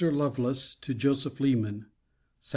LOVELACE, TO JOSEPH LEMAN SAT.